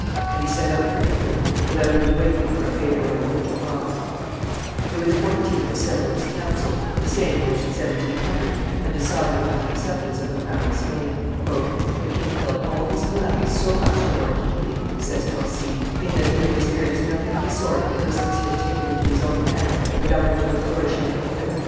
And he set out for England without even waiting for a favorable wind to cross. Louis XIV. assembled his council, the same which, in 1700, had decided upon acceptance of the crown of Spain. "The king felt all these calamities so much the more keenly," says Torcy, "in that he had experienced nothing of the sort ever since he had taken into his own hands the government of a flourishing kingdom.